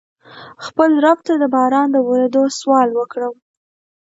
خپل رب ته د باران د ورېدو سوال وکړم.